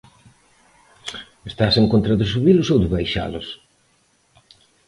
¿Están en contra de subilos ou de baixalos?